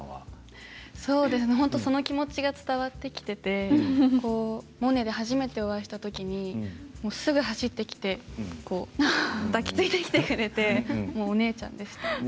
その気持ちが伝わってきていてモネで初めてお会いしたときにすぐ走ってきて抱きついてきてくれてお姉ちゃんでしたね。